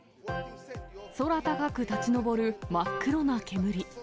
空高く立ち上る真っ黒な煙。